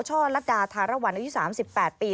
่อลัดดาธารวรรณอายุ๓๘ปี